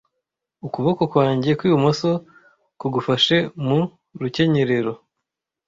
Ukuboko kwanjye kw'ibumoso kugufashe mu rukenyerero,